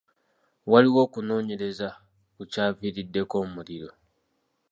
Waliwo okunoonyereza ku kyaviiriddeko omuliro.